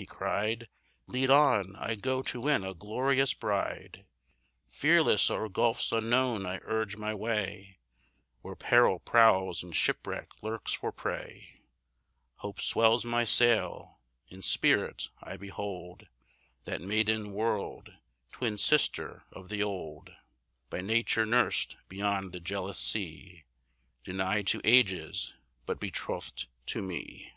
he cried, "Lead on; I go to win a glorious bride; Fearless o'er gulfs unknown I urge my way, Where peril prowls, and shipwreck lurks for prey: Hope swells my sail; in spirit I behold That maiden world, twin sister of the old, By nature nursed beyond the jealous sea, Denied to ages, but betroth'd to me."